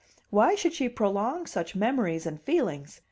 Why should she prolong such memories and feelings?